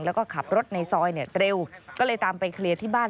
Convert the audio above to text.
แล้วก็ขับรถในซอยเร็วก็เลยตามไปเคลียร์ที่บ้าน